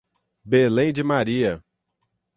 Belém de Maria